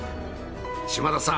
島田さん